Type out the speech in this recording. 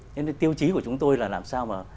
thế nên tiêu chí của chúng tôi là làm sao mà